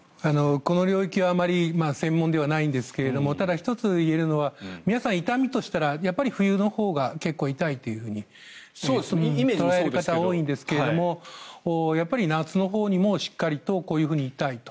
この領域はあまり専門ではないんですがただ１つ言えるのは皆さん痛みとしたらやっぱり冬のほうが結構痛いと言っておられる方が多いんですがやっぱり夏のほうにもしっかりとこういうふうに痛いと。